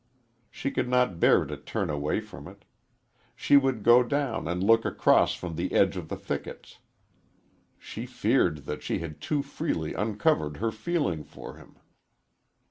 She could not bear to turn away from it. She would go down and look across from the edge of the thickets. She feared that she had too freely uncovered her feeling for him.